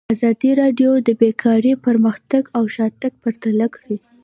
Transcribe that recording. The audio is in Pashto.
ازادي راډیو د بیکاري پرمختګ او شاتګ پرتله کړی.